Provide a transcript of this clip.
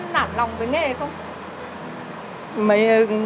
làm lòng với nghề không